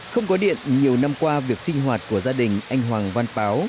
không có điện nhiều năm qua việc sinh hoạt của gia đình anh hoàng văn báo